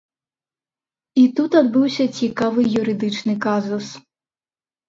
І тут адбыўся цікавы юрыдычны казус.